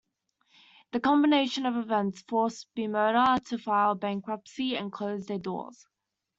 The combination of events forced Bimota to file for bankruptcy and close their doors.